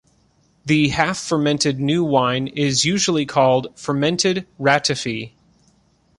The half-fermented new wine is usually called fermented ratafee.